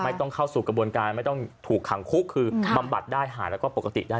เข้าสู่กระบวนการไม่ต้องถูกขังคุกคือบำบัดได้หายแล้วก็ปกติได้